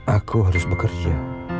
aku harus bekerja